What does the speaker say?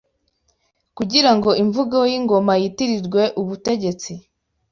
Kugira ngo Imvugo y’ingoma yitirirwe ‘’Ubutegetsi’’